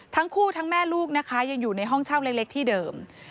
ทั้งคู่ทั้งแม่ลูกนะคะยังอยู่ในห้องเช่าเล็กที่เดิม